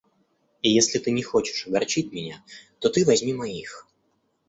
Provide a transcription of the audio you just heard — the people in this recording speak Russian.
И если ты не хочешь огорчить меня, то ты возьми моих.